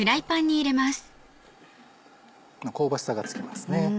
香ばしさがつきますね。